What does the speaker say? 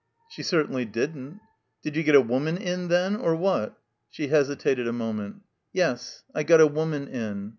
She certainly didn't. Did you get a woman in, then, or what? She hesitated a moment. "Yes. I got a woman in."